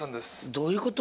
どういうこと？